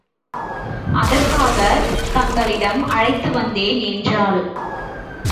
அதற்காகத் தங்களிடம் அழைத்து வந்தேன் என்றாள்.